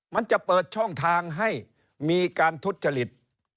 มันจะเปิดช่องทางให้มีการทุจริต